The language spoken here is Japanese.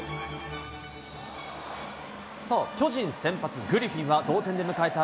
さあ、巨人先発、グリフィンは同点で迎えた